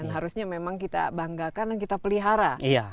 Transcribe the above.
harusnya memang kita banggakan dan kita pelihara